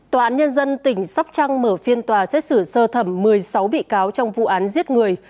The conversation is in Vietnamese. tòa án nhân dân tỉnh sóc trăng mở phiên tòa xét xử sơ thẩm một mươi sáu bị cáo trong vụ án giết người